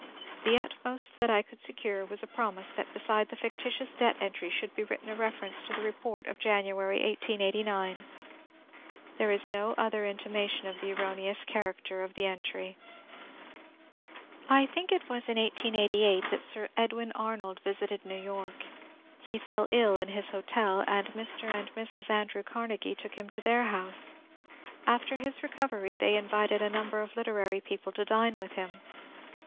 The utmost that I could secure was a pro mise that beside the fictitious debt entry should be written a reference to the report of January, 1889. There is no other intimation of the erroneous character of the entry. It was I think in 1888 that Sir Edwin Arnold visited New York. He fell ill in his hotel, and Mr. and Mrs. Andrew Carnegie took him to their house. After his recovery they invited a number of literary people to dine with him.